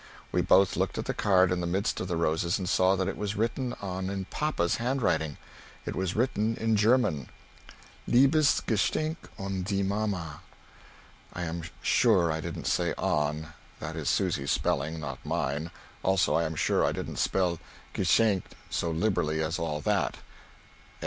We both looked at the card in the midst of the roses and saw that it was written on in papa's handwriting, it was written in German. 'Liebes Geshchenk on die mamma.' [I am sure I didn't say "on" that is Susy's spelling, not mine; also I am sure I didn't spell Geschenk so liberally as all that.